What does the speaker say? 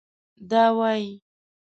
دا وايي